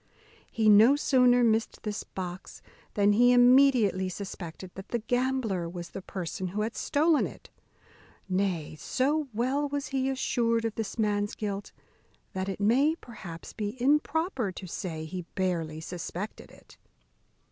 He no sooner missed this box than he immediately suspected that the gambler was the person who had stolen it; nay, so well was he assured of this man's guilt, that it may, perhaps, be improper to say he barely suspected it.